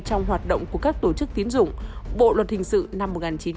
trong hoạt động của các tổ chức tín dụng bộ luật hình sự năm một nghìn chín trăm chín mươi chín